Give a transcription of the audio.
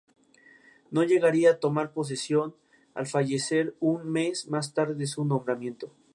No llegaría a tomar posesión al fallecer un mes más tarde de su nombramiento.